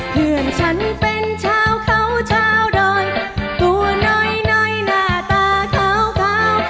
เพื่อนฉันเป็นเช้าเขาเช้าดอยตัวหน่อยหน่อยหน้าตาขาวขาว